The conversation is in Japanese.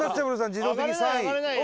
自動的に３位。